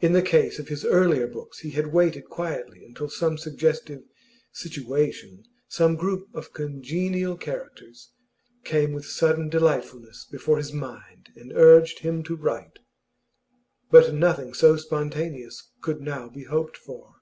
In the case of his earlier books he had waited quietly until some suggestive 'situation,' some group of congenial characters, came with sudden delightfulness before his mind and urged him to write; but nothing so spontaneous could now be hoped for.